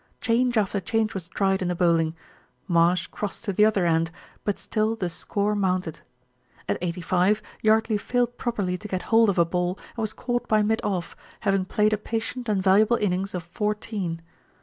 Change after change was tried in the bowling. Marsh crossed to the other end; but still the score mounted. At 85 Yardley failed properly to get hold of a ball and was caught by mid off, having played a patient and valuable innings of fourteen.